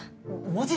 マジ。